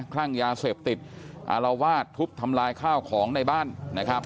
คลั่งยาเสพติดอารวาสทุบทำลายข้าวของในบ้านนะครับ